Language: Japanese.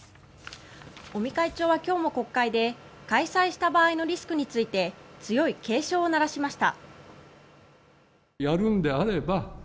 尾身会長は今日も国会で開催した場合のリスクについて強い警鐘を鳴らしました。